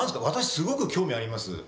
私すごく興味あります。